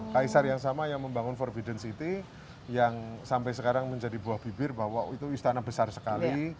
kaisar yang sama yang membangun forbidden city yang sampai sekarang menjadi buah bibir bahwa itu istana besar sekali